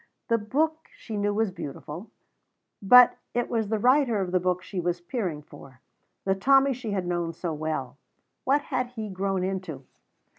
The book, she knew, was beautiful; but it was the writer of the book she was peering for the Tommy she had known so well, what had he grown into?